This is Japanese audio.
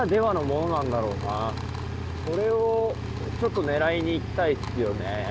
それをちょっと狙いに行きたいっすよね。